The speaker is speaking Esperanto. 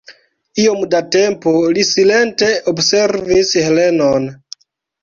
Iom da tempo li silente observis Helenon.